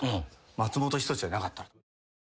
松本人志じゃなかったら。